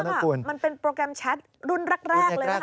มันเป็นโปรแกรมแชทรุ่นแรกเลยนะคะ